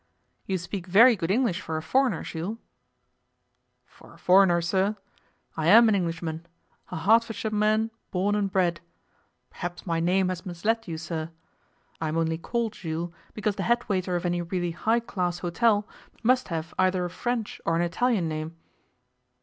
'You speak very good English for a foreigner, Jules.' 'For a foreigner, sir! I am an Englishman, a Hertfordshire man born and bred. Perhaps my name has misled you, sir. I am only called Jules because the head waiter of any really high class hotel must have either a French or an Italian name.